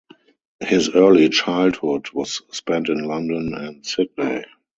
His early childhood was spent in London and Sydney.